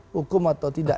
hukum atau tidak